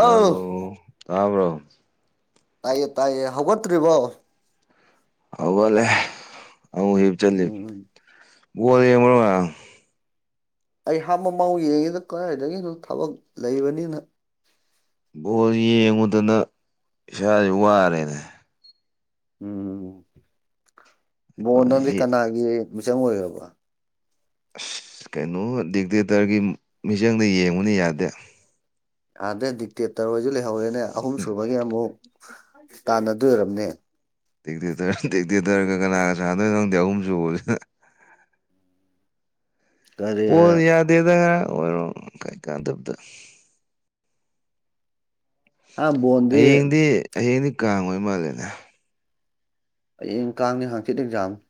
hello ꯇꯥꯕ꯭ꯔꯣ ꯇꯥꯏꯌꯦ ꯇꯥꯏꯌꯦ ꯍꯧꯒꯠꯇ꯭ꯔꯤꯕꯣ ꯍꯧꯒꯠꯂꯦ ꯑꯃꯨꯛ ꯍꯤꯞ ꯆꯜꯂꯤ ꯎꯝ ꯕꯣꯜ ꯌꯦꯡꯕ꯭ꯔꯣ ꯉꯔꯥꯡ ꯑꯩ ꯍꯥꯞ ꯃꯃꯥꯡꯕꯨꯛ ꯌꯦꯡꯉꯤꯗ ꯀꯔꯥꯏꯗꯒꯤꯅꫭ ꯊꯕꯛ ꯂꯩꯕꯅꯤꯅ ꯕꯣꯜ ꯌꯦꯡꯉꯨꯗꯅ ꯏꯁꯥꯖꯦ ꯋꯥꯔꯦꯅꯦ ꯎꯝ ꯕꫭꯟ ꯅꯪꯗꯤ ꯑꯩ ꯀꯅꯥꯒꯤ ꯃꯤꯆꯪ ꯑꯣꯏꯔꯕ ꯑꯁ ꯀꯩꯅꯣ ꯗꯤꯛꯇꯦꯇꯔꯒꯤ ꯃꯤꯆꯪꯗ ꯌꯦꯡꯕꯅꯤ ꯌꯥꯗꯦ ꯑꯥꯗ ꯗꯤꯛꯇꯦꯇꯔ ꯍꫭꯏꯖꯨ ꯂꯩꯍꯧꯔꯦꯅꯦ ꯑꯍꯨꯝꯁꯨꯨꯕꯒꯤ ꯑꯃꯨꯛ ꯇꯥꯟꯅꯗꯣꯏ ꯑꫭꯏꯔꯝꯅꯤ ꯗꯤꯛꯇꯦꯇꯔ ꯗꯤꯛꯇꯦꯇꯔꯒ ꯀꯅꯥꯒ ꯁꯥꯟꯅꯗꫭꯏꯅꫭ ꯈꯪꯗꯦ ꯑꯍꯨꯝ ꯁꯨꯕꯖꯤꯅ ꯀꯔꯤ ꯕꫭꯜ ꯌꯥꯗꯦꯗ ꯉꯔꯥꯡ ꯍꫭꯏꯔꯣꯡ ꯀꯔꯤ ꯀꯥꯟꯗꯕꯗ ꯑ ꯕꯣꯟꯗꯤ ꯍꯌꯦꯡꯗꯤ ꯍꯌꯦꯡꯗꯤ ꯀꯥꯡ ꯑꫭꯏ ꯃꯥꯜꯂꯦꯅꯦ ꯍꯌꯦꯡ ꯀꯥꯡꯅꯤ ꯍꯥꯡꯆꯤꯠ ꯑꯦꯛꯖꯥꯝꯅꯤ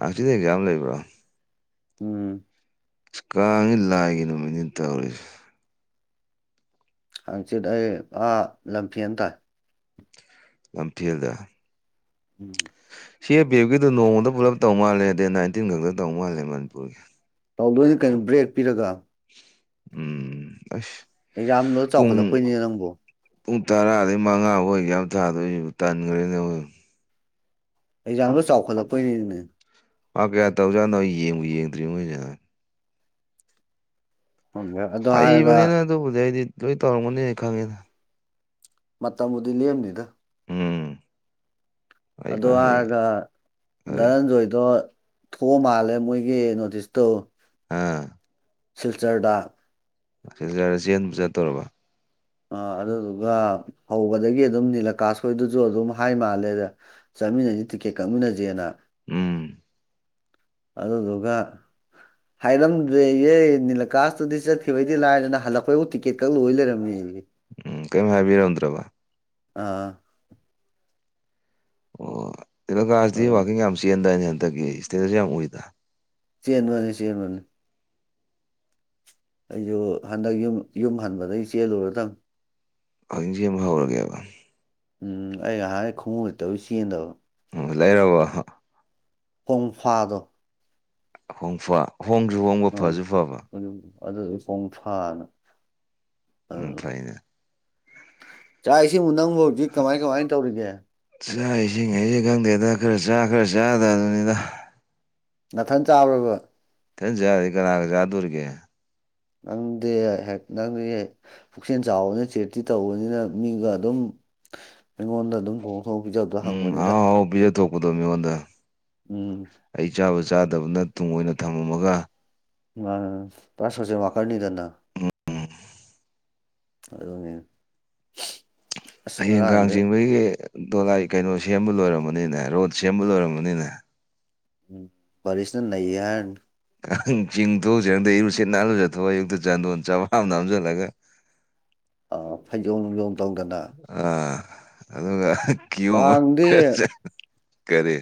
ꯍꯥꯡꯆꯤꯠ ꯑꯦꯛꯖꯥꯝ ꯂꯩꯕ꯭ꯔꯣ ꯎꯝ ꯀꯥꯡꯖꯦ ꯂꯥꯏꯒꯤ ꯅꯨꯃꯤꯠꯅꯤ ꯇꯧꯔꯤꯁꯦ ꯍꯥꯡꯆꯤꯠ ꯑꯩ ꯑꯥ ꯂꯝꯐꯦꯟ ꯇꯥꯏ ꯂꯝꯐꯦꯜꯗ ꯎꯝ ꯁꯤ ꯑꯦ ꯄꯤ ꯑꯦꯐꯀꯤꯗꯨ ꯅꯣꯡꯃꯗ ꯄꯨꯂꯞ ꯇꯧ ꯃꯥꯜꯂꯦ ꯗꯦꯠ ꯅꯥꯏꯟꯇꯤꯟ ꯈꯛꯇ ꯇꯧ ꯃꯥꯜꯂꯦ ꯃꯅꯤꯄꯨꯔꯒꯤ ꯇꯧꯗꯣꯏꯅ ꯀꯩꯅꯣ ꯕ꯭ꯔꯦꯛ ꯄꯤꯔꯒ ꯎꯝ ꯑꯁ ꯑꯦ ꯌꯥꯝꯅ ꯄꯨꯡ ꯆꯥꯎꯈꯠꯂꯛꯄꯣꯏꯅꯦ ꯅꯪꯕꯨ ꯄꯨꯡ ꯇꯔꯥꯗꯒꯤ ꯃꯉꯥꯕꯨ ꯑꯦꯛꯌꯥꯝ ꯊꯥꯗꯣꯢꯁꯤꯕꯨ ꯇꯟꯈ꯭ꯔꯦꯅꯦ ꯑꯩꯖꯥꯡꯇ ꯆꯥꯎꯈꯠꯂꯛꯄꯩꯅꯤꯅꯦ ꯄꯥꯛ ꯀꯌꯥ ꯇꯧꯖꯥꯠꯅꯣ ꯌꯦꯡꯕ ꯌꯦꯡꯗ꯭ꯔꯤ ꯃꯣꯏꯁꯤꯅ [unintelligible] ꯍꯩꯕꯅꯤꯅ ꯑꯗꯨꯕꯨꯗꯤ ꯑꯩꯗꯤ ꯂꯣꯏ ꯇꯧꯔꯝꯒꯅꯤꯅ ꯈꯪꯉꯦꯅ ꯃꯇꯝꯕꯨꯗꯤ ꯂꯦꯝꯅꯤꯗ ꯎꯝ ꯑꯩ ꯑꯗꯨ ꯐ ꯍꯩ ꯍꯥꯏꯔꯒ ꯐꯔꯦ ꯗꯅꯟꯖꯣꯏꯗꯣ ꯊꯣꯛꯑ ꯃꯥꯜꯂꯦ ꯃꯣꯏꯒꯤ ꯅꯣꯇꯤꯁꯇꯨ ꯑ ꯁꯤꯜꯆꯔꯗ ꯁꯤꯜꯆꯔꯗ ꯆꯦꯟꯕ ꯆꯠꯇꫭꯔꯕꫭ ꯑ ꯑꯗꯨꯗꯨꯒ ꯍꯧꯕꯗꯒꯤ ꯑꯗꯨꯝ ꯅꯤꯂꯀꯥꯥꯁ ꯍꫭꯏꯗꯖꯨ ꯑꯗꯨꯝ ꯍꯥꯏ ꯃꯥꯜꯂꯦꯅꯦ ꯆꯥꯃꯤꯟꯅꯁꯤ ꯇꯤꯛꯀꯦꯠ ꯀꯛꯃꯤꯟꯅꯁꯦꯅ ꯎꯝ ꯑꯗꯨꯗꯨꯒ ꯍꯥꯏꯔꯝꯗ꯭ꯔꯦ ꯏꯍꯦ ꯅꯤꯂꯀꯥꯁꯇꯨꯗꯤ ꯆꯠꯈꯤꯕꯩꯗꯤ ꯂꯥꯏꯗꯅ ꯍꯜꯂꯛꯄꯣꯏꯕꯨ ꯇꯤꯛꯀꯦꯠꯀꯛ ꯂꯣꯏ ꯂꯩꯔꯝꯃꯤ ꯎꯝ ꯀꯔꯤꯝ ꯍꯥꯏꯕꯤꯔꯝꯗ꯭ꯔꯕ ꯑꯥ ꯇꯦꯂꯀꯥꯁꯇꯤ ꯑꯥ ꯋꯥꯀꯤꯡ ꯌꯥꯝ ꯆꯦꯟꯗ ꯑꯅꯦ ꯍꯟꯗꯛꯀꯤ ꯏꯁꯇꯦꯖꯁꯨ ꯌꯥꯝ ꯎꯏꯗ ꯆꯦꯟꯕꯅꯤ ꯆꯦꯟꯕꯅꯤ ꯑꯩꯁꯨ ꯍꯟꯗꯛ ꯌꯨꯝ ꯌꯨꯝ ꯍꯟꯕꯗꯒꯤ ꯆꯦꯜꯂꯨꯔꯗꯅꯤ [unintelligible] [unintelligible] ꯍꯧꯔꯒꯦꯕ ꯎꯝ ꯑꯩ ꯉꯥꯏꯍꯥꯟꯒꯩ ꯈꯣꯡꯎꯞ ꯂꯩꯇꯕꯩ ꯆꯦꯟꯗꯕ ꯎꯝ ꯂꯩꯔꯕꯣ ꯀꯣꯡꯐꯥꯗꯣ ꯍꯣꯡ ꯐꯥ ꯍꯣꯡꯁꯨ ꯍꯣꯡꯕ ꯐꯁꯨ ꯐꯕ ꯑꯗꯨꯗꯤ ꯄꯣꯡ ꯐꯥꯅ ꯎ ꯐꯩꯅꯦ ꯆꯥꯛꯁꯤꯕꯨ ꯅꯪꯕꯨ ꯍꯧꯖꯤꯛ ꯀꯃꯥꯏ ꯀꯃꯥꯏꯅ ꯇꯧꯔꯤꯒꯦ ꯆꯥꯛ ꯏꯁꯤꯡꯉꯩꯁꯤ ꯈꯪꯗꯦꯗ ꯈꯔ ꯆꯥ ꯈꯔ ꯆꯥꯗꯕꯅꯤꯗ ꯅꯥꯊꯟ ꯆꯥꯕ꯭ꯔꯕ ꯊꯟ ꯌꯥꯔꯗꯤ ꯀꯅꯥꯒ ꯆꯥꯗꯣꯔꯤꯒꯦ ꯅꯪꯗꯤ ꯍꯦꯛ ꯅꯪꯗꯤ ꯄꯨꯛꯆꯦꯜ ꯆꯥꯎꯕꯅꯤꯅ ꯆꯦꯇꯤ ꯇꯧꯕꯅꯤꯅ ꯃꯤꯒ ꯑꯗꯨꯝ ꯑꯩꯉꯣꯟꯗ ꯑꯗꯨꯝ ꯊꯣꯡ ꯄꯤꯖꯕꯗꯣ ꯎꯝ ꯍꯪꯕꯅꯤꯗ ꯑꯥꯎ ꯍꯥꯎ ꯊꯣꯛ [unintelligible] ꯃꯒꯣꯟꯗ ꯎꯝ ꯑꯩ ꯆꯥꯕ ꯆꯥꯗꯕꯅ ꯇꯨꯡꯏꯅ ꯊꯝꯃꯝꯃꯒ ꯃꯥ ꯄꯨꯔꯥ ꯁꯣꯠꯁꯦꯜ ꯋꯥꯀꯔꯅꯤꯗꯅ ꯑꯗꯨꯅꯤ ꯑꯁ ꯍꯌꯦꯡꯒꯥꯥꯡ ꯉꯔꯥꯡꯗꯤ ꯆꯤꯡꯕꯒꯤ ꯗꯣꯂꯥꯏ ꯀꯩꯅꯣ ꯁꯦꯝꯕ ꯂꯣꯏꯔꯃꯅꯤꯅꯦ ꯔꯣꯠ ꯁꯦꯝꯕ ꯂꯣꯏꯔꯝꯕꯅꯤꯅꯦ ꯄꯔꯤꯁꯅ ꯅꯩꯒꯦ ꯍꯥꯏꯔꯅꯤ ꯆꯤꯡ ꯊꯣꯛꯣꯡꯁꯤꯔꯗ ꯏꯔꯨꯁꯤꯠ ꯅꯥꯜꯂꯨ ꯆꯊꯣꯛꯑ ꯑꯌꯨꯛꯇ ꯆꯥꯟꯗꯣꯟ ꯆꯋꯥꯑꯃ ꯅꯝꯁꯤꯜꯂꯒ ꯐꯩꯖꯣꯝ ꯅꯨꯡꯖꯣꯝ ꯇꯧꯗꯅ ꯑꯥ ꯑꯗꯨꯒ ꯀꯤꯌꯣ ꯀꯥꯡꯗꯤ ꯀꯔꯤ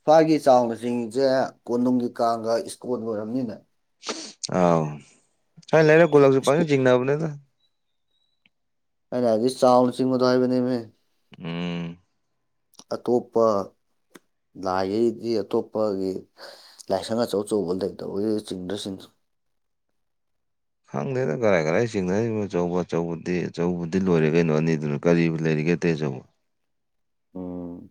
ꯁ꯭ꯋꯥꯏꯒꯤ ꯆꯥꯎꯅ ꯆꯤꯡꯉꯤꯁꯦ ꯀꯣꯅꯨꯡꯒꯤ ꯀꯥꯡꯒ ꯏꯁꯀꯣꯟꯒꯤ ꯀꯥꯡꯒ ꯑꯣꯏꯔꯝꯅꯤꯅꯦ ꯑꯥꯎ ꯁ꯭ꯋꯥꯢ ꯂꯩꯔꯛ ꯀꯣꯂꯒꯁꯨ ꯏꯁꯀꯣ ꯄꯆꯤꯡ ꯖꯤꯡꯅꯕꯅꯤꯗ [unintelligible] ꯎꯝ ꯑꯇꯣꯞꯄ ꯂꯥꯏꯒꯩꯗꯤ ꯑꯇꯣꯞꯄꯒꯤ ꯂꯥꯏꯁꯪ ꯑꯆꯧ ꯑꯆꯧꯕꯗꯩ ꯇꯧ ꯆꯤꯡꯗ꯭ꯔ ꯈꯪꯗꯦꯅ ꯀꯔꯥꯏ ꯀꯔꯥꯏ ꯆꯤꯡꯅꯔꯤꯕꯅꯣ ꯑꯆꯧꯕ ꯑꯆꯧꯕꯗꯤ ꯑꯆꯧꯕꯗꯤ ꯂꯣꯏꯔꯦ ꯀꯩꯅꯣ ꯑꯅꯤꯗꯨꯅ ꯀꯔꯤꯕ ꯂꯩꯔꯤꯒꯦ [unintelligible] ꯎꯝ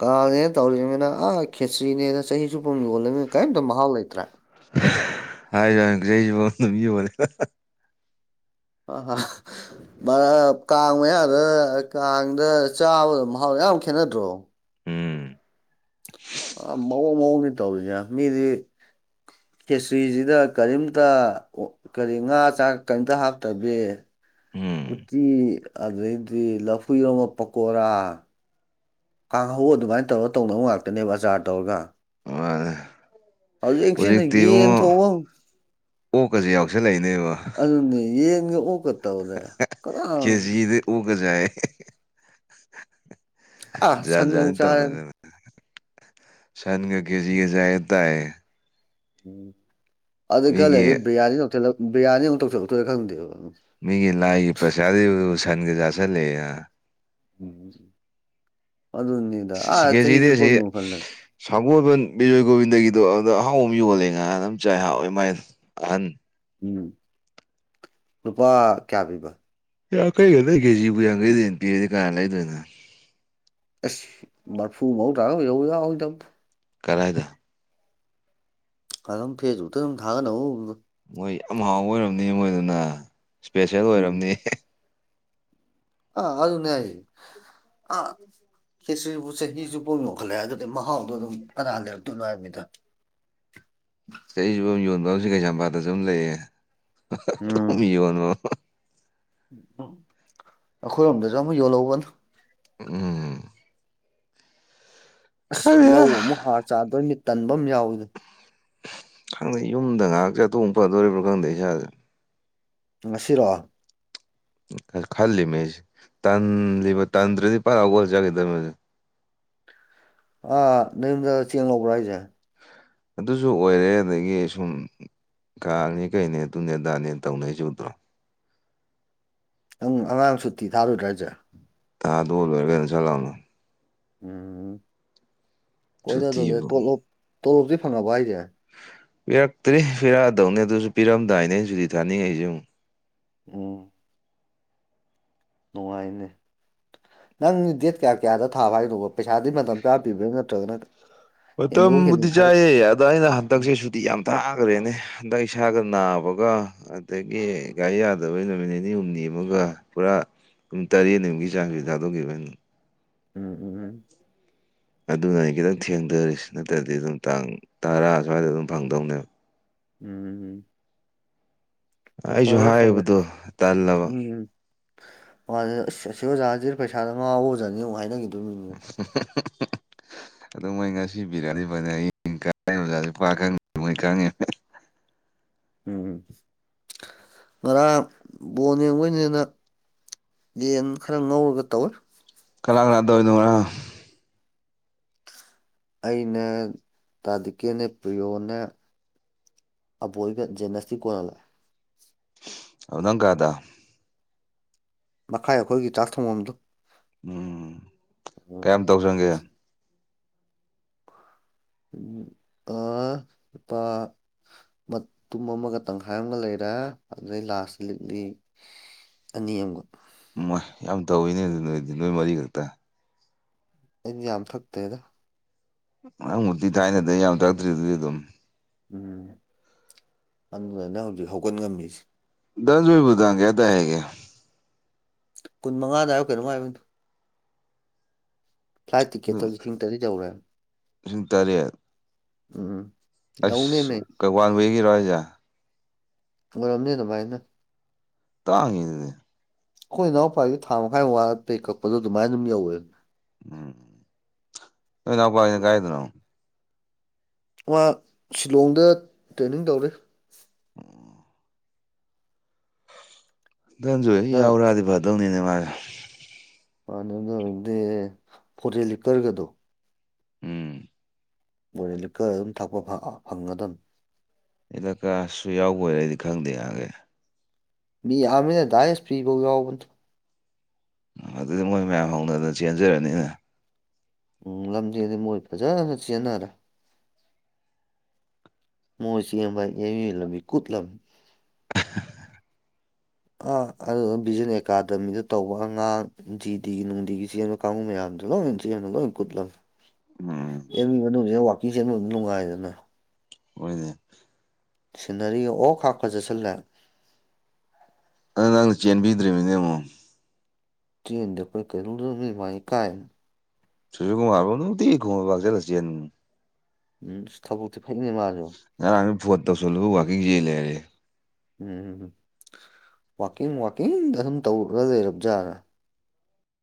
ꯀꯥꯅꯦꯅ ꯇꯧꯃꯤꯅ ꯑ ꯈꯦꯇꯆ꯭ꯔꯤꯅꯦꯅ ꯆꯍꯤ ꯁꯨꯞ ꯄꯥꯎ ꯌꯣꯜꯂꯃꯤꯅꯤꯅ ꯀꯔꯤꯝꯇ ꯃꯍꯥꯎ ꯂꯩꯇ꯭ꯔꯥ [unintelligible] ꯑꯥ ꯀꯥꯡ ꯃꯌꯥꯗ ꯀꯥꯡꯗ ꯆꯥꯕꯗ ꯃꯍꯥꯎꯗ ꯌꯥꯝ ꯈꯦꯠꯅꯗ꯭ꯔꯣ ꯎꯝ ꯑ ꯃꯑꯣꯡ ꯃꯑꯣꯡꯗꯤ ꯇꯧꯔꯤꯅꯦ ꯃꯤꯗꯤ ꯄꯦꯁꯇ꯭ꯔꯤꯁꯤꯗ ꯀꯔꯤꯝꯇ ꯀꯔꯤ ꯉꯥ ꯆꯥꯛ ꯀꯔꯤꯇ ꯍꯥꯞꯇꯕꯤ ꯎꯝ ꯎꯇꯤ ꯑꯗꯩꯗꯤ ꯂꯐꯨꯔꯣꯡꯕ ꯄꯀꯣꯔꯥ ꯀꯥꯡꯍꯧ ꯑꯗꯨꯃꯥꯏꯅ ꯇꯧꯔꯒ ꯇꯧꯅꯕ ꯉꯥꯛꯇꯅꯦꯕ ꯑꯆꯥꯔ ꯇꯧꯔꯒ [unintelligible] ꯍꯧꯖꯤꯛꯁꯤꯅ ꯍꯧꯖꯤꯛꯇꯤ ꯌꯦꯟ ꯏꯕꯨꯡꯉꯣ ꯊꯣꯡꯑ ꯑꯣꯛꯀꯁꯦ ꯌꯥꯎꯁꯜꯂꯛꯏꯅꯦꯕ ꯑꯗꯨ ꯌꯦꯒ ꯑꯣꯀꯇꯧꯔ [unintelligible] [unintelligible] ꯖꯥꯠ ꯑꯥ ꯁꯟꯒ ꯖꯥꯅꯤ ꯆꯥꯔꯦꯗ ꯇꯧꯅꯒ ꯁꯟꯒ ꯀꯦꯖꯤ ꯌꯥꯥ ꯇꯏ ꯎꯝ ꯑꯗꯨ ꯈꯔ ꯂꯩꯗꯤ ꯃꯤꯒꯤ ꯕꯤꯔꯌꯥꯅꯤ ꯂꯧꯊꯜꯂ ꯕꯤꯔꯌꯥꯅꯤ ꯑꯃꯨꯛ ꯇꯧꯊꯣꯛ ꯂꯧꯊꯣꯛꯂ ꯈꯪꯗꯦꯕꯝ ꯃꯤꯒꯤ ꯂꯥꯏꯒꯤ ꯄ꯭ꯔꯁꯥ ꯁꯟꯒ ꯆꯥꯥꯁꯜꯂꯦ ꯎꯝ ꯑꯗꯨꯅꯤꯗ ꯑꯥ ꯆꯍꯤ [unintelligible] ꯁꯥꯒꯣꯜꯕꯟ ꯕꯤꯖꯣꯏ ꯒꯣꯕꯤꯟꯗꯒꯤꯗꯣ ꯑꯗ ꯑꯍꯥꯎ ꯑꯃ ꯌꯣꯜꯂꯦ ꯉꯍ ꯑꯗꯨꯝ ꯆꯥꯏ ꯍꯥꯎꯋꯦ ꯃꯥꯏ ꯑꯍꯟ ꯎꯝ ꯂꯨꯄꯥ ꯀꯌꯥ ꯄꯤꯕ ꯌꯥꯡꯈꯩꯒꯗ ꯀꯦꯖꯤꯕꯨ ꯌꯥꯡꯈꯩꯗ ꯄꯤꯔꯗꯤ ꯀꯥ ꯂꯩꯗꯣꯏꯅꯣ ꯑꯦꯁ ꯃꯔꯐꯨ ꯃꯧꯗ꯭ꯔꯥ ꯑꯣꯏꯍꯧ ꯌꯥꯎꯗꯕ ꯀꯗꯥꯥꯏꯗ ꯐꯝ ꯐꯦꯖꯕꯨꯛꯇ ꯑꯗꯨꯝ ꯊꯥꯒꯅꯧ ꯃꯣꯏ ꯌꯥꯝ ꯍꯥꯎꯕ ꯑꯣꯏꯔꯝꯅꯤ ꯃꯣꯏꯗꯨꯅ ꯏꯁꯄꯦꯁꯦꯜ ꯑꯣꯏꯔꯝꯅꯤ [unintelligible] ꯈꯦꯇ꯭ꯔꯤꯕꯨ ꯆꯍꯤꯁꯨ ꯄꯣ ꯌꯣꯛꯈꯠꯂꯛꯑꯦ ꯑꯗꯨꯗꯤ ꯃꯍꯥꯎꯗꯣ ꯑꯗꯨꯝ ꯀꯅꯥ ꯂꯩꯔꯛꯇꯣꯏꯅꯣ ꯍꯥꯏꯕꯅꯤꯗ [unintelligible] ꯀꯩꯁꯥꯝꯄꯥꯠꯇꯁꯨ ꯑꯗꯨꯝ ꯎꯝ ꯂꯩꯌꯦ ꯌꯣꯟꯕꯣ ꯑꯩꯈꯣꯏꯔꯣꯝꯗꯁꯨ ꯑꯃ ꯌꯣꯜꯍꯧꯕꯅ ꯎꯝ ꯑꯁ ꯈꯪꯗꯦꯗ ꯂꯧ ꯑꯃꯨꯛ ꯍꯥꯔ ꯆꯥꯗꯣꯏ ꯃꯤꯠ ꯇꯟꯕ ꯑꯃ ꯌꯥꯎꯏꯗ ꯈꯪꯗꯦ ꯌꯨꯝꯗ ꯉꯥꯏꯍꯥꯛꯁꯦꯇꯣꯡ ꯐꯗꯣꯔꯤꯕ꯭ꯔꯣ ꯈꯪꯗꯦ ꯏꯁꯥꯁꯦ ꯉꯁꯤꯔꯣ ꯈꯜꯂꯤꯃꯦꯁꯤ ꯇꯜꯂꯤꯕ ꯇꯟꯗ꯭ꯔꯗꯤ ꯄꯛ ꯍꯧꯒꯠꯂꯒ ꯆꯠꯈꯤꯗꯧꯕꯅꯦ ꯑꯥ ꯅꯌꯨꯝꯗ ꯆꯦꯡ ꯂꯧꯕ꯭ꯔꯥ ꯍꯥꯏꯁꯦ ꯑꯗꯨꯁꯨ ꯑꯣꯏꯔꯦ ꯑꯗꯒꯤ ꯁꯨꯝ ꯀꯥꯡꯅꯦ ꯀꯩꯅꯦ ꯑꯗꯨꯅꯦ ꯑꯗꯥꯅꯦ ꯇꯧꯅꯩꯖꯦ ꯎꯗ꯭ꯔꯣ ꯅꯪ ꯑꯉꯥꯡ ꯁꯨꯇꯤ ꯊꯥꯔꯨꯗ꯭ꯔꯥ ꯍꯥꯢꯁꯦ ꯊꯗꯣꯛꯑ ꯂꯣꯏꯔꯦ ꯀꯩꯅꯣ ꯁꯠ ꯂꯥꯎꯅ ꯎꯝ ꯀꯣꯏꯅꯗꯕꯅꯦ ꯁꯨꯇꯤꯕꯨ ꯇꯣꯂꯣꯞ ꯇꯣꯂꯣꯞꯇꯤ ꯐꯪꯉꯕ ꯍꯥꯏꯁꯦ ꯄꯤꯔꯛꯇ꯭ꯔꯤ ꯄꯤꯔꯛꯑꯗꯧꯅꯦ ꯑꯗꯨꯁꯨ ꯄꯤꯔꯝꯗꯥꯏꯅꯦ ꯑꯩꯁꯨꯗꯤ ꯊꯥꯅꯤꯡꯉ ꯑꯩꯁꯦ ꯑꯃꯨꯛ ꯑꯣ ꯅꯨꯡꯉꯥꯏꯅꯤ ꯅꯪ ꯗꯦꯠ ꯀꯌꯥ ꯀꯌꯥꯗ ꯊꯥꯕ ꯍꯥꯏꯅꯣꯕ ꯄꯩꯁꯥꯗꯤ ꯃꯇꯝ ꯀꯌꯥ ꯄꯤꯕ꯭ꯔꯥ ꯅꯠꯇ꯭ꯔꯒꯅ ꯍꯦꯟꯗꯣꯛ ꯄꯇꯝꯕꯨꯗꯤ ꯍꯦꯟꯖꯤꯟ ꯈꯔ ꯆꯥꯏꯌꯦ ꯑꯗꯥꯅꯤ ꯅꯍꯥꯟ ꯍꯟꯗꯛꯁꯦ ꯎꯝ ꯁꯨꯇꯤ ꯌꯥꯝ ꯊꯥꯈ꯭ꯔꯦꯅꯦ ꯍꯟꯗꯛ ꯏꯁꯥꯒ ꯅꯥꯕꯒ ꯑꯗꯒꯤ ꯒꯥꯔꯤ ꯌꯥꯗꯕꯩ ꯅꯨꯃꯤꯠ ꯅꯤꯅꯤ ꯍꯨꯝꯅꯤ ꯑꯃꯒ ꯄꯨꯔꯥ ꯑꯗꯨꯝ ꯇꯔꯦꯠꯅꯤꯃꯨꯛꯀꯤ ꯆꯥꯡꯁꯤ ꯊꯥꯗꯣꯛꯈꯤꯕꯅꯦ ꯎꯝ ꯎꯝ ꯎꯝ ꯑꯗꯨꯅ ꯑꯩ ꯈꯤꯇꯪ ꯊꯦꯡꯊꯔꯤꯁꯤ ꯅꯠꯇ꯭ꯔꯗꯤ ꯑꯗꯨꯝ ꯇꯥꯡ ꯇꯔꯥ ꯁ꯭ꯋꯥꯏꯗ ꯑꯗꯨꯝ ꯐꯪꯗꯧꯅꯦꯕ ꯎꯝ ꯑꯩꯁꯨ ꯐꯔꯦ ꯐꯔꯦ ꯍꯥꯏꯕꯗꯣ ꯇꯜꯂꯕ ꯃꯥ ꯑꯁ ꯑꯁꯤ ꯑꯣꯖꯥꯁꯤ ꯄꯩꯁꯥꯗ ꯉꯥꯎꯕ ꯑꯣꯖꯥꯅꯤꯃꯨꯛ ꯍꯥꯏꯅꯈꯤꯗꯣꯏꯅꯤꯅꯦ [unintelligible] ꯑꯗꯣ ꯃꯣꯏ ꯉꯁꯤ ꯄꯤꯔꯛꯑꯗꯤ ꯐꯅꯤ ꯑꯣꯖꯥ ꯃꯣꯏ ꯈꯪꯉꯦ ꯎꯝ ꯉꯔꯥꯡ ꯕꯣꯟ ꯌꯦꯡꯕꯩꯅꯤꯅ ꯌꯦꯟ ꯈꯔ ꯉꯧꯔꯒ ꯇꯧꯋꯦ ꯀꯅꯥ ꯀꯅꯥ ꯇꯧꯔꯤꯅꯣ ꯉꯔꯥꯡ ꯑꯩꯅ ꯇꯥ ꯗꯤꯀꯦꯅ ꯄ꯭ꯔꯤꯌꯣꯅꯦ ꯑꯕꯣꯏꯒ ꯖꯦꯅꯁꯇꯤ ꯀꯣꯟꯅ ꯂꯥꯛꯑꯦ ꯑꯗꯨ ꯅꯪ ꯀꯥꯗ ꯃꯈꯥꯏ ꯑꯩꯈꯣꯏꯒꯤ ꯆꯥꯛ ꯊꯣꯡꯐꯝꯗꯨ ꯎꯝ ꯀꯌꯥꯝ ꯇꯧꯁꯪꯒꯦ ꯑꯪ ꯄꯥ ꯃꯇꯨꯝ ꯑꯃꯒ ꯇꯪꯈꯥꯏ ꯑꯃꯒ ꯂꯩꯔꯦ ꯑꯗꯨꯗꯩ ꯂꯥꯁ ꯂꯤꯛꯂꯤ ꯑꯅꯤ ꯑꯃꯒ ꯎꯃꯣꯏ ꯌꯥꯝ ꯇꯧꯋꯤꯅꯦ ꯑꯗꯨ ꯅꯣꯏꯗꯤ ꯅꯣꯏ ꯃꯔꯤꯈꯛꯇ ꯑꯩꯗꯤ ꯌꯥꯝ ꯊꯛꯇꯦꯗ ꯅꯪꯃꯨꯛꯇꯤ ꯊꯥꯏꯅꯗꯩ ꯌꯥꯝ ꯊꯛꯇ꯭ꯔꯤꯗꯨꯗꯤ ꯑꯗꯨꯝ ꯎꯝ ꯑꯗꯨꯗꯅ ꯍꯧꯖꯤꯛ ꯍꯧꯒꯠ ꯉꯝꯃꯤꯁꯦ ꯗꯅꯟꯖꯣꯢꯕꯨ ꯇꯡ ꯀꯌꯥꯗ ꯇꯥꯢ ꯍꯥꯏꯒꯦ ꯀꯨꯟ ꯃꯉꯥꯗ ꯍꯥꯏꯕ ꯀꯩꯅꯣꯝ ꯍꯥꯏꯕꯅꯤ ꯐ꯭ꯂꯥꯏꯠ ꯑꯗꯨꯝ ꯇꯤꯛꯀꯦꯠꯇꯨꯁꯨ ꯂꯤꯁꯤꯡ ꯇꯔꯦꯠ ꯌꯧꯔꯦ ꯍꯥꯢ ꯂꯤꯁꯤꯡ ꯇꯥꯔꯦꯠ ꯎꯝ ꯑꯁ ꯌꯧꯅꯦꯃꯦ ꯀꯩ ꯋꯥꯟ ꯋꯦꯒꯤꯔꯣ ꯍꯥꯢꯖꯦ ꯑꯣꯢꯔꯝꯅꯤ ꯑꯗꯨꯃꯥꯥꯏꯅ ꯇꯥꯡꯉꯤ ꯑꯗꯨꯗꯤ ꯑꯈꯣꯏ ꯏꯅꯥꯎꯄꯥꯒꯤ ꯊꯥ ꯃꯈꯥꯏ ꯋꯥꯠꯇꯩ ꯀꯛꯄꯗꯣ ꯑꯗꯨꯃꯥꯏꯅ ꯑꯗꯨꯝ ꯌꯧꯋꯦ ꯎꯝ ꯅꯣꯏ ꯅꯥꯎꯄꯒꯤꯅ ꯀꯥꯏꯗꯅꯣ ꯃꯥ ꯁꯤꯂꯣꯡꯗ ꯇ꯭ꯔꯦꯅꯤꯡ ꯇꯧꯔꯤ ꯑꯣ ꯗꯅꯟꯖꯣꯢꯗꯨ ꯗ ꯌꯥꯎꯔꯛꯑꯗꯤ ꯐꯗꯧꯅꯤꯅꯦ ꯃꯥꯁꯦ ꯃꯥꯅꯦ ꯐꯗꯨ ꯑꯣꯢꯔꯗꯤ ꯐꯣꯔꯦꯟ ꯂꯤꯀꯔꯒꯗꯣ ꯎꯝ ꯐꯣꯔꯦꯟ ꯂꯤꯛꯀꯔ ꯑꯗꯨꯝ ꯊꯥꯛꯄ ꯐꯪꯒꯗꯕꯅꯤ ꯀꯥꯂ꯭ꯁ ꯁꯨ ꯌꯥꯎꯕꯣꯢꯔꯦ ꯑꯩꯗꯤ ꯈꯪꯗꯦ ꯅꯥꯍꯟꯈꯩ ꯃꯤ ꯌꯥꯝꯃꯤꯗ ꯗꯥꯏꯖꯁ ꯄꯤꯕꯧ ꯌꯥꯎꯕꯗꯣ ꯑꯗꯨꯗꯤ ꯃꯣꯏ ꯃꯌꯥꯝ ꯍꯧꯅꯗꯅ ꯆꯦꯟꯖꯔꯅꯤ ꯎꯝ ꯂꯝꯖꯦꯟꯗꯤ ꯃꯣꯏ ꯐꯖꯅ ꯆꯦꯟꯅꯔꯦ ꯃ ꯁꯤꯚꯥꯏ ꯑꯦꯃꯤ ꯂꯝꯃꯤ ꯀꯨꯠ ꯂꯝꯃꯤ ꯑ ꯑꯗꯨꯅ ꯕꯤꯖꯟ ꯑꯦꯀꯥꯗꯃꯤꯗ ꯇꯧꯕ ꯑꯉꯥꯡ ꯖꯤꯗꯤꯒꯤ ꯅꯨꯡꯗꯤꯒꯤ ꯆꯕ [unintelligible] ꯂꯣꯢ ꯀꯨꯠꯂꯝꯅꯤ ꯎꯝ ꯑꯦꯝ ꯌꯨ ꯃꯅꯨꯡꯁꯤꯅ ꯋꯥꯛꯀꯤꯡ ꯆꯦꯟꯕꯝ ꯑꯗꯨꯝ ꯅꯨꯡꯉꯥꯏꯗꯅ ꯍꯣꯏꯅꯦ ꯁꯤꯅꯔꯤꯒ ꯑꯣ ꯀꯥꯀ ꯐꯖꯁꯤꯜꯂꯦ ꯑꯗꯣ ꯅꯪꯅ ꯆꯦꯟꯕꯤꯗ꯭ꯔꯤꯅꯤ ꯑꯃꯨꯛ ꯆꯟꯗꯣꯏ [inaudible] ꯀ ꯃꯥꯏ ꯀꯥꯏ ꯁꯨꯁꯤꯟꯒꯨꯃꯥꯔ ꯕꯥꯎ ꯅꯨꯡꯇꯤꯒꯤ ꯈꯨꯃꯥꯟ ꯂꯥꯝꯄꯥꯛ ꯆꯠꯂ ꯆꯦꯟꯕꯅꯦ ꯎꯝ ꯑꯁ ꯊꯕꯛꯇꯤ ꯐꯩꯅꯦ ꯃꯥꯖꯨ ꯉꯔꯥꯡꯖꯨ ꯐꯣꯟ ꯇꯧꯁꯤꯜꯂꯨꯕꯨ ꯋꯥꯀꯤꯡ ꯆꯦꯜꯂꯦ ꯍꯥꯏꯔꯛꯑꯦ ꯎꯝ ꯋꯥꯛꯀꯤꯡ ꯋꯥꯥꯛꯀꯤꯡꯗ ꯑꯗꯨꯝ ꯇꯧꯔꯒ ꯂꯩꯔꯕꯖꯥꯠꯂꯥ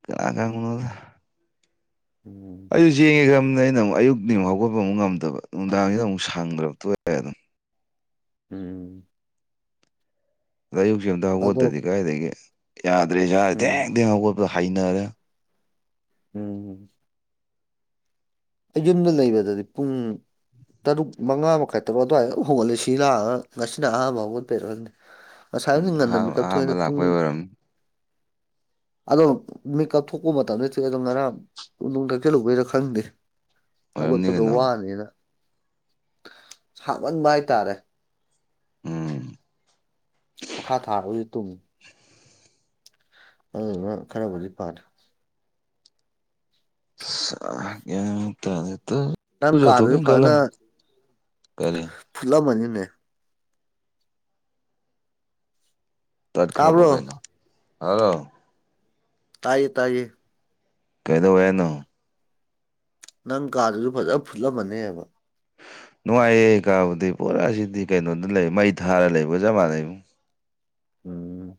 ꯀꯅꯥꯥ ꯈꯪꯕꯅꯣꯗ ꯎꯝ ꯑꯩꯁꯨ ꯆꯦꯟꯒꯦ ꯈꯟꯕꯅꯦ ꯑꯩꯅ ꯑꯃꯨꯛ ꯑꯌꯨꯛꯇꯤ ꯍꯧꯒꯠꯄ ꯑꯃꯨꯛ ꯉꯝꯗꯕ ꯅꯨꯡꯗꯥꯡꯖꯤꯅ ꯑꯃꯨꯛ ꯁꯪꯗ꯭ꯔꯕ ꯇꯣꯛꯑꯦ ꯑꯗꯨꯝ ꯎꯝ ꯑꯌꯨꯛꯁꯦ ꯑꯃꯝꯇ ꯑꯗꯣ ꯍꯧꯒꯠꯇꯗꯤ ꯀꯥꯏꯗꯒꯤ ꯌꯥꯗ꯭ꯔꯦ ꯢꯁꯥꯁꯦ ꯎꯝ ꯊꯦꯡ ꯊꯦꯡ ꯍꯧꯒꯠꯄꯗ ꯍꯩꯅꯔꯦ ꯎꯝ ꯑꯩ ꯌꯨꯝꯗ ꯂꯩꯕꯗꯗꯤ ꯄꯨꯡ ꯇꯔꯨꯛ ꯃꯉꯥ ꯃꯈꯥꯏ ꯇꯔꯨꯛ ꯑꯗꯨꯋꯥꯏꯗ ꯍꯣꯡꯒꯠꯂꯦ ꯁꯤ ꯂꯥꯛꯑꯒ ꯉꯁꯤꯅ ꯑꯍꯥꯟꯕ ꯍꯧꯒꯠꯄꯩꯔ ꯈꯪꯗꯦ ꯉꯁꯥꯏꯗꯤ ꯎꯝ ꯉꯟꯅ ꯑꯍꯥꯟꯕ ꯃꯤꯀꯞ ꯑꯍꯥꯟꯕ ꯊꯣꯛꯑꯦꯗ ꯄꯨꯡ ꯂꯥꯛꯄꯩ ꯑꯣꯏꯔꯝꯅꯤ ꯑꯗꯣ ꯃꯦꯀꯞ ꯊꯣꯛꯄ ꯃꯇꯝꯗꯗꯤ ꯑꯗꯣ ꯉꯔꯥꯡ ꯋꯨ ꯊꯥꯛꯁꯤꯜꯂꯨꯕꯩꯔ ꯈꯪꯗꯦ ꯑꯣꯏꯔꯝꯅꯤ ꯍꯧꯒꯠꯄꯗꯣ ꯀꯩꯅꯣ ꯋꯥꯅꯤꯅ ꯁꯥꯃꯥꯟꯕ ꯍꯥꯏꯇꯥꯔꯦ ꯎꯝ ꯃꯈꯥ ꯊꯥꯔꯒꯖꯨ ꯇꯨꯝꯃꯤ ꯑꯗꯨꯗꯨꯅ ꯈꯔꯕꯨꯗꯤ ꯐꯔꯦ ꯑꯁ ꯑ ꯒ꯭ꯌꯥꯟ ꯇꯥꯗꯦ ꯇꯧꯔꯤꯁꯦ ꯅꯪ ꯀꯥꯗꯨꯁꯨ ꯐꯖꯅ ꯀꯔꯤ ꯐꯨꯠꯂꯝꯃꯅꯤꯅꯦ ꯇꯠꯈ꯭ꯔꯕꯣ ꯇꯥꯕ꯭ꯔꯣ ꯀꯩꯅꯣ ꯍꯜꯂꯣ ꯇꯥꯌꯦ ꯇꯥꯌꯦ ꯀꯩꯗꯧꯋꯦ ꯍꯥꯏꯅꯣ ꯅꯪ ꯀꯥꯗꯨꯁꯨ ꯐꯖ ꯐꯨꯠꯂꯝꯃꯅꯦꯕ ꯅꯨꯡꯉꯥꯏꯌꯦ ꯀꯥꯕꯨꯗꯤ ꯄꯨꯔꯥ ꯁꯤꯗꯤ ꯀꯩꯅꯣꯗ ꯂꯩ ꯃꯩ ꯊꯥꯔ ꯂꯩꯕꯒ ꯆꯞ ꯃꯥꯟꯅꯩꯕꯣ ꯎꯝ